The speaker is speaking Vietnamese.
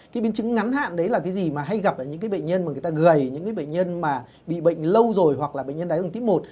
cái biến chứng ngắn hạn đấy là cái gì mà hay gặp là những cái bệnh nhân mà người ta gầy những cái bệnh nhân mà bị bệnh lâu rồi hoặc là bệnh nhân đáy ứng tiếp một